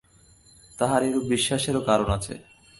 তাঁহার এরূপ বিশ্বাসেরও কারণ আছে।